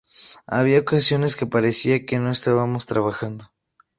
Había ocasiones que parecía que no estábamos trabajando.